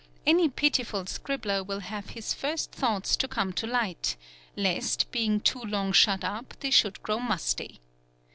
Any pitiful scribbler will have his first thoughts to come to light; lest, being too long shut up, they should grow musty.